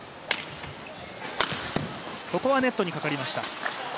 ここはネットにかかりました。